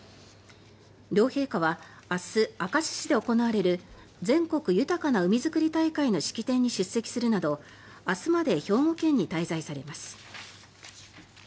両陛下は、明日明石市で行われる全国豊かな海づくり大会の式典に出席されるなど明日まで兵庫県に滞在されます。